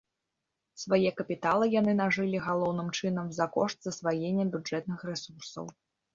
Свае капіталы яны нажылі галоўным чынам за кошт засваення бюджэтных рэсурсаў.